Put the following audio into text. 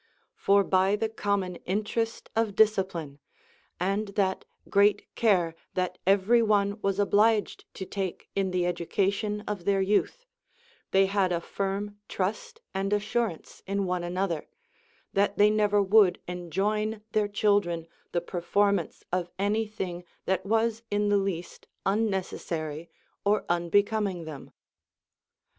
For by the common interest of discipline, and that great care that every one Λvas obliged to take in the education of thek youth, they had a firm trust and assurance in one another, that they never would enjoin their children the ])erformance of any thing that was in the least unnecessary or unbecoming them.